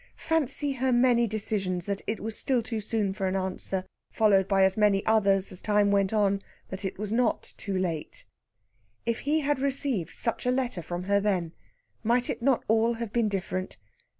Fancy her many decisions that it was still too soon for an answer, followed by as many others as time went on that it was not too late! If he had received such a letter from her then, might it not all have been different?